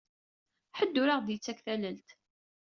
Ḥedd ur aɣ-d-yettak tallelt.